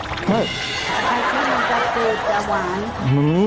ผัดไทราบมันจะเจ็ดจะหวาน